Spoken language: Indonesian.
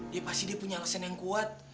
dia pasti dia punya alasan yang kuat